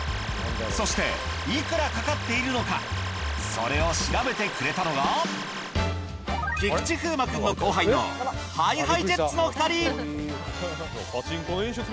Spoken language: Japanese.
そしていくらかかっているのかそれを調べてくれたのが菊池風磨くんの後輩のＨｉＨｉＪｅｔｓの２人！